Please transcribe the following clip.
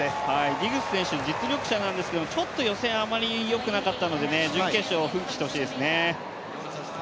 ディグス選手、実力者なんですけどちょっと予選あまりよくなかったので準決勝、奮起してほしいですね